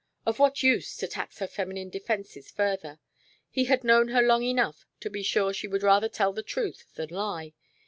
Of what use to tax her feminine defenses further? He had known her long enough to be sure she would rather tell the truth than lie.